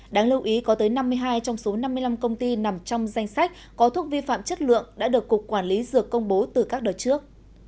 đáng lưu ý có tới năm mươi hai trong số năm mươi năm công ty nằm trong danh sách có thuốc vi phạm chất lượng đã được cục quản lý dược công bố từ các đời trước